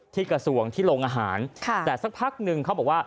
ที่กระทรวงที่โรงอาหารแต่สักพักนึงเขาบอกว่า